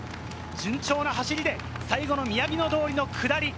順調な走りで最後の宮城野通の下り。